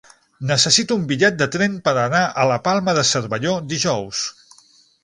Necessito un bitllet de tren per anar a la Palma de Cervelló dijous.